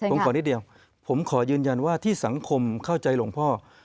ผมขอนิดเดียวผมขอยืนยันว่าที่สังคมเข้าใจหลวงพ่อ